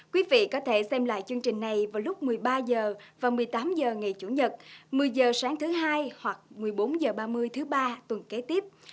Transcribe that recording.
quý vị có thể xem lại chương trình này vào lúc một mươi ba h và một mươi tám h ngày chủ nhật một mươi h sáng thứ hai hoặc một mươi bốn h ba mươi thứ ba tuần kế tiếp